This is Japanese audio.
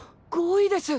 ５位です！